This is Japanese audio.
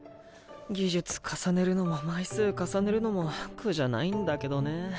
技術重ねるのも枚数重ねるのも苦じゃないんだけどね。